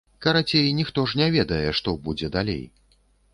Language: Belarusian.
Карацей, ніхто ж не ведае, што будзе далей.